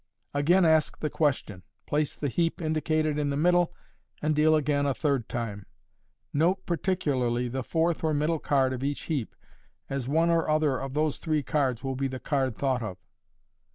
Again ask the question, place the heap indicated in the middle, and deal again a third time. Note particularly the fourth or middle card of each heap, as one or other of those three cards will be the card thought of.